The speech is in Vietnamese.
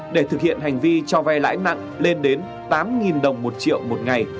để thực hiện hành vi cho vay lãi nặng lên đến tám đồng một triệu một ngày